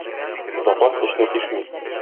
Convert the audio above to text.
Запас эчне тишми.